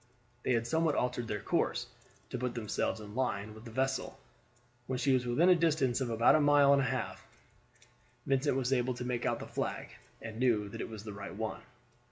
They had somewhat altered their course, to put themselves in line with the vessel. When she was within a distance of about a mile and a half Vincent was able to make out the flag, and knew that it was the right one.